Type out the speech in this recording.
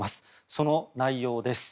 その内容です。